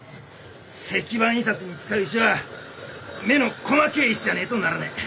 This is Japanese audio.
石版印刷に使う石は目の細けえ石じゃねえとならねえ。